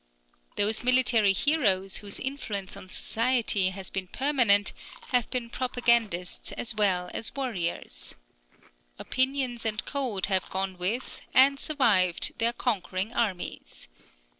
Those military heroes whose influence on society has been permanent have been propagandists as well as warriors. Opinions and codes have gone with, and survived, their conquering armies.